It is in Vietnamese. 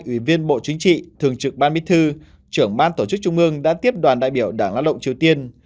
ủy viên bộ chính trị thường trực ban bí thư trưởng ban tổ chức trung ương đã tiếp đoàn đại biểu đảng lao động triều tiên